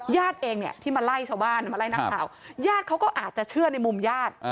ญาติเองเนี่ยที่มาไล่ชาวบ้านมาไล่นักข่าวญาติเขาก็อาจจะเชื่อในมุมญาติ